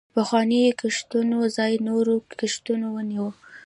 پخوانیو کښتونو ځای نورو کښتونو ونیوه.